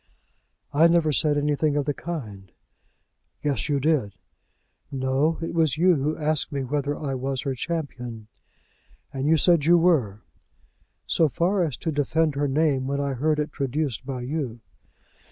"I never said anything of the kind." "Yes, you did." "No; it was you who asked me whether I was her champion." "And you said you were." "So far as to defend her name when I heard it traduced by you."